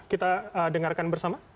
kita dengarkan bersama